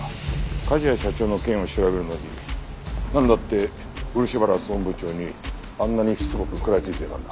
梶谷社長の件を調べるのになんだって漆原総務部長にあんなにしつこく食らいついていたんだ？